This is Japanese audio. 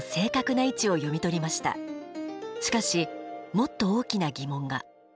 しかしもっと大きな疑問が。